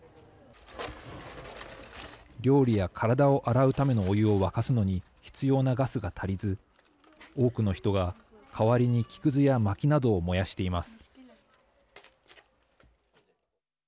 料理や体を洗うためのお湯を沸かすのに必要なガスが足りず多くの人が代わりに木くずやまきなどを燃やしています。